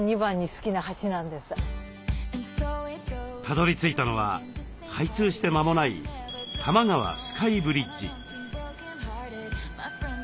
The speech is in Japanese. たどりついたのは開通して間もない多摩川スカイブリッジ。